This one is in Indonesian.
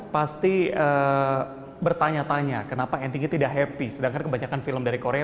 pasti bertanya tanya kenapa endingnya tidak happy sedangkan kebanyakan film dari korea